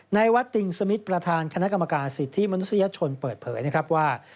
ในวัดติงสมิทประธานคณะกรรมการสิทธิมนุษยชนเปิดเผยนะครับว่า